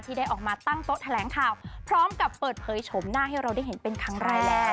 ได้ออกมาตั้งโต๊ะแถลงข่าวพร้อมกับเปิดเผยโฉมหน้าให้เราได้เห็นเป็นครั้งแรก